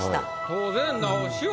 当然直しは。